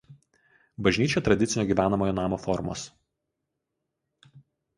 Bažnyčia tradicinio gyvenamojo namo formos.